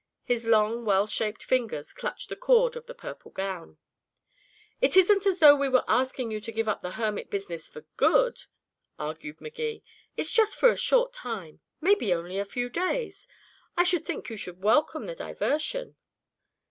His long well shaped fingers clutched the cord of the purple gown. "It isn't as though we were asking you to give up the hermit business for good," argued Magee. "It's just for a short time maybe only for a few days. I should think you would welcome the diversion."